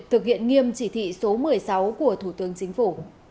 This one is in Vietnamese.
thực hiện nghiêm chỉ thị số một mươi sáu của thủ tướng chính phủ